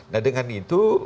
nah dengan itu